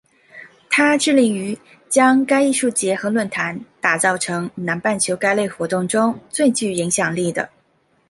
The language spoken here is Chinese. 它致力于将该艺术节和论坛打造成南半球该类活动中最具影响力的。